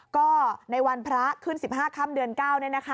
ก็ในวันพระขึ้น๑๕ค่ำเดือนเก้า